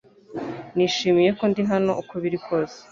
Nishimiye ko ndi hano uko biri kose